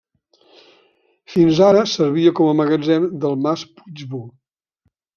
Fins ara servia com a magatzem del mas Puigbò.